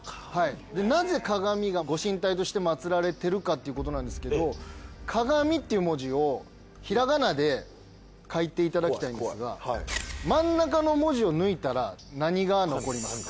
なぜ鏡がご神体として祭られてるかっていうことなんですけど鏡っていう文字をひらがなで書いていただきたいんですが真ん中の文字を抜いたら何が残りますか？